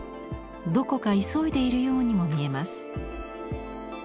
どこか急いでいるようにも見えます。